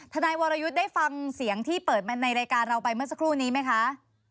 ทนายวรยุทธ์ได้ฟังเสียงที่เปิดมาในรายการเราไปเมื่อสักครู่นี้ไหมคะ